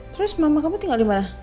terus mama kamu tinggal dimana